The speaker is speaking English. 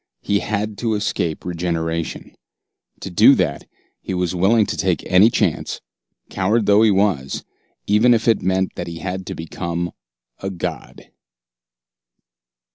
He had to escape regeneration. To do that, he was willing to take any chance, coward though he was even if it meant that he had to become a god!